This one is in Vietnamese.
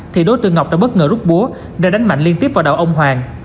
thì đối tượng ngọc đã bất ngờ rút búa đã đánh mạnh liên tiếp vào đào ông hoàng